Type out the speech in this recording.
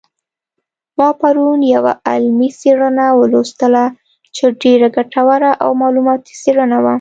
ما پرون یوه علمي څېړنه ولوستله چې ډېره ګټوره او معلوماتي څېړنه وه